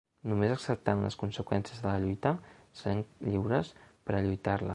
Només acceptant les conseqüències de la lluita serem lliures per a lluitar-la.